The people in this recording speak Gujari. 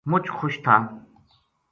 مچ خوش تھا